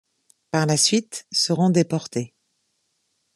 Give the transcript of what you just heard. Par la suite, seront déportées.